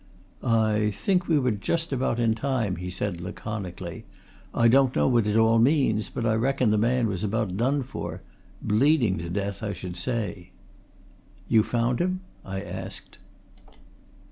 "I think we were just about in time," he said, laconically. "I don't know what it all means, but I reckon the man was about done for. Bleeding to death, I should say." "You found him?" I asked.